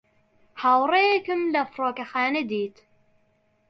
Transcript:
هاوڕێیەکم لە فڕۆکەخانە دیت.